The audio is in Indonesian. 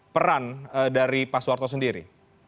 peran dari pak soeharto sendiri